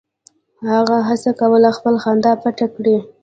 هغه هڅه کوله خپله خندا پټه کړي